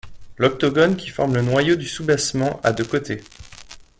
L'octogone qui forme le noyau du soubassement a de côté.